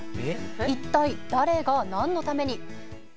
一体誰がなんのために？